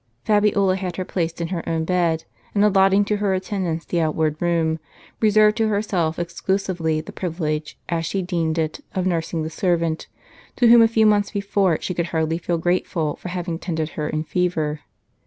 Fabiola had her placed in her own bed, and, allotting to her attendants the outward room, reserved to herself exclu sively the privilege, as she deemed it, of nursing the servant, to whom a few months before she could hardly feel grateful for having tended her in fever.